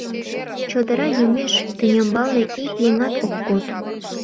Чодыра йомеш — тӱнямбалне ик еҥат ок код.